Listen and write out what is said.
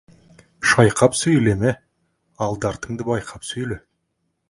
Шайқап сөйлеме, алды-артыңды байқап сөйле.